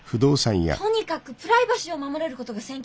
とにかくプライバシーを守れることが先決なんです。